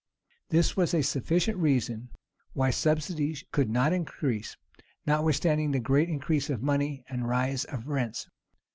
This was a sufficient reason why subsidies could not increase, notwithstanding the great increase of money and rise of rents.